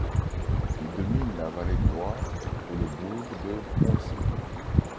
Elle domine la vallée du Loir et le bourg de Poncé.